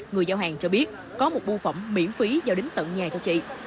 người giao hàng cho biết có một bu phẩm miễn phí giao đến tận nhà của chị